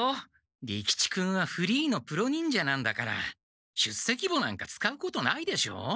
利吉君はフリーのプロ忍者なんだから出席簿なんか使うことないでしょ？